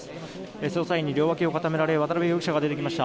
捜査員に両脇を固められ渡邉容疑者が出てきました。